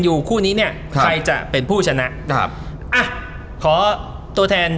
อยู่คู่นี้เนี่ยใช่ใครจะเป็นผู้ชนะใช่อ่าขอตัวแทน